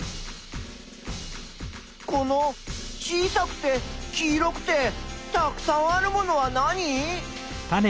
この小さくて黄色くてたくさんあるものは何？